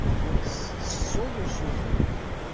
Ur d-tettessuḍ usuten.